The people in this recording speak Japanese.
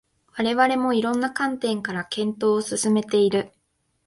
我々も色々な観点から検討を進めている